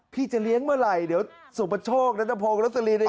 พี่จะเลี้ยงเมื่อไหร่เดี๋ยวสุขประโชคนัตตาโพงและลักษณีย์